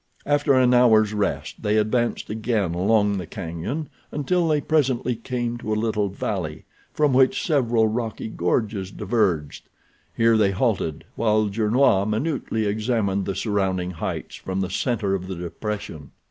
After an hour's rest they advanced again along the cañon, until they presently came to a little valley, from which several rocky gorges diverged. Here they halted, while Gernois minutely examined the surrounding heights from the center of the depression.